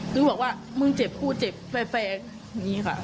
คือบอกว่ามึงเจ็บกูเจ็บแฟร์อย่างนี้ค่ะ